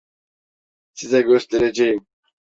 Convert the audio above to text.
Size göstereceğim.